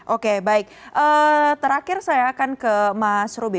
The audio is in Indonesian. oke baik terakhir saya akan ke mas ruby